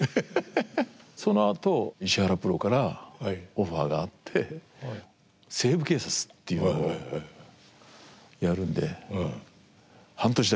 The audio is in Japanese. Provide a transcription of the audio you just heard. そのあと石原プロからオファーがあって「西部警察」っていうのをやるんで半年だけやれって言われて。